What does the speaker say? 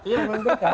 iya memang berkah